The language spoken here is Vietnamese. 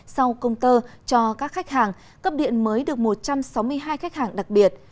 sau công tơ cho các khách hàng cấp điện mới được một trăm sáu mươi hai khách hàng đặc biệt